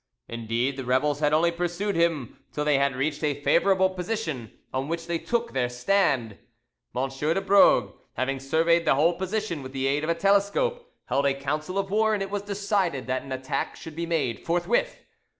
Indeed, the rebels had only pursued him till they had reached a favourable position, on which they took their stand. M de Brogue having surveyed the whole position with the aid of a telescope, held a council of war, and it was decided that an attack should be made forthwith.